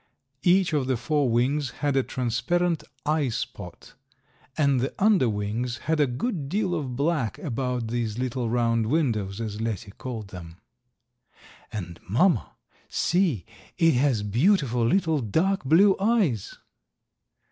Each of the four wings had a transparent eye spot, and the under wings had a good deal of black about these little round windows, as Letty called them. "And, mamma, see! It has beautiful little dark blue eyes."